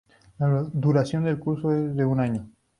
La duración del curso es de un año.